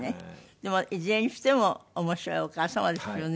でもいずれにしても面白いお母様ですよね。